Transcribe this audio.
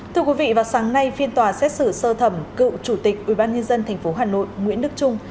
thưa quý vị vào sáng nay phiên tòa xét xử sơ thẩm cựu chủ tịch ubnd tp hà nội nguyễn đức trung